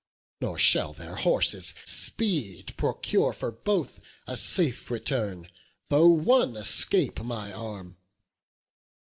Nor shall their horses' speed procure for both A safe return, though one escape my arm.